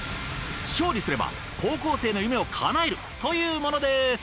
勝利すれば高校生の夢をかなえるというものです！